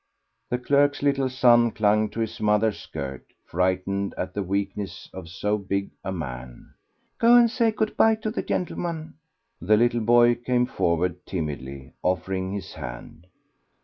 The clerk's little son clung to his mother's skirt, frightened at the weakness of so big a man. "Go and say good bye to the gentleman." The little boy came forward timidly, offering his hand.